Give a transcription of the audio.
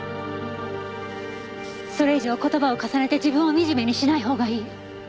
それ以上言葉を重ねて自分を惨めにしないほうがいい。